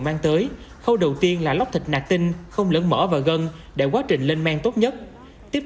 mang tới khâu đầu tiên là lóc thịt nạ tinh không lẫn mỡ và gân để quá trình lên men tốt nhất tiếp